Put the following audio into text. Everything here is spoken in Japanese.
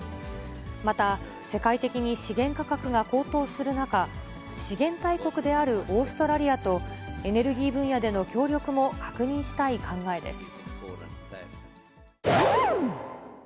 また、世界的に資源価格が高騰する中、資源大国であるオーストラリアと、エネルギー分野での協力も確認したい考えです。